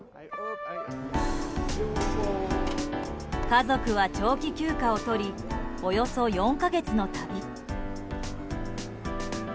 家族は、長期休暇を取りおよそ４か月の旅。